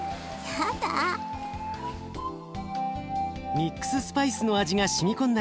ミックススパイスの味がしみ込んだ